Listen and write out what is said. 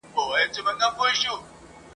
چا د غرونو چا د ښار خواته ځغستله !.